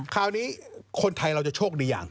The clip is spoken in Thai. คราวนี้คนไทยเราจะโชคดีอย่าง